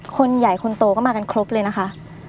คนใหญ่คนโตก็มากันครบเลยนะคะ